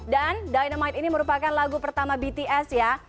dynamite ini merupakan lagu pertama bts ya